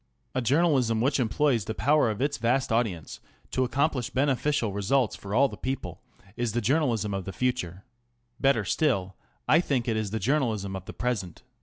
A journalism which employs the power of its vast audience to accomplish beneficial results for all the people is the Journalism of the Future. Better still, I think it is the Journalism of the Present.